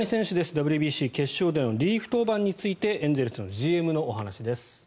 ＷＢＣ決勝でのリリーフ登板についてエンゼルスのＧＭのお話です。